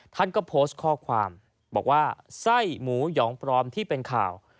ท่านก็โพสต์ข้อความบอกว่าไส้หมูหยองปลอมที่เป็นข่าว